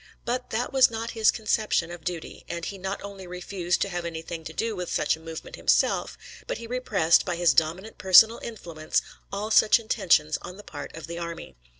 But that was not his conception of duty, and he not only refused to have anything to do with such a movement himself, but he repressed, by his dominant personal influence, all such intentions on the part of the army.